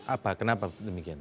apa kenapa demikian